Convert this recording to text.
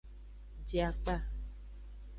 Je akpa.